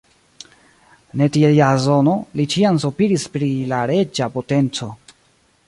Ne tiel Jazono, li ĉiam sopiris pri la reĝa potenco.